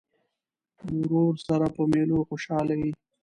ورور سره په مېلو خوشحاله یې.